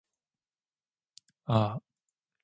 ああ